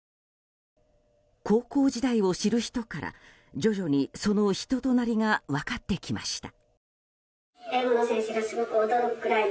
高校時代を知る人から徐々に、その人となりが分かってきました。